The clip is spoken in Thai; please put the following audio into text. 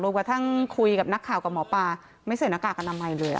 รวมกับทั้งคุยกับนักข่ากับหมอปลาไม่ใส่หน้ากากกันนำใหม่เลย